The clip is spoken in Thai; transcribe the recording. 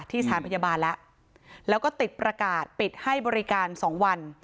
สถานพยาบาลแล้วแล้วก็ติดประกาศปิดให้บริการสองวัน